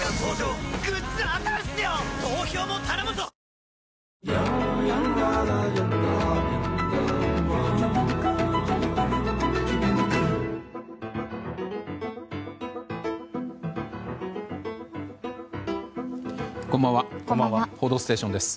「報道ステーション」です。